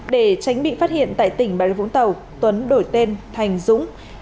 để tránh bị phát hiện tại tỉnh bà rịa vũng tàu tuấn đổi tên thành dũng